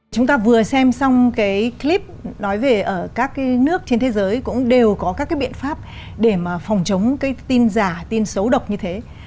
chúng ta vừa xem xong clip nói về các nước trên thế giới cũng đều có các biện pháp để phòng chống tin giả tin xấu độc như thế